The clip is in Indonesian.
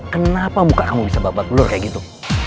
kenapa muka kamu bisa babak belur kayak gitu